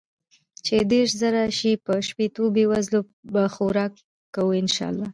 چې ديرش زره شي په شپيتو بې وزلو به خوراک کو ان شاء الله.